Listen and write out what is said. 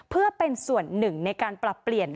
เพื่อเป็นส่วนหนึ่งในการปรับเปลี่ยน